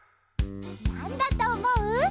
なんだとおもう？